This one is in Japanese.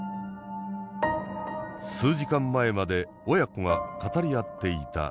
数時間前まで親子が語り合っていた家。